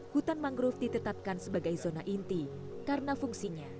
hutan mangrove ditetapkan sebagai zona inti karena fungsinya